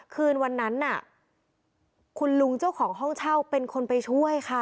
คืนวันนั้นน่ะคุณลุงเจ้าของห้องเช่าเป็นคนไปช่วยค่ะ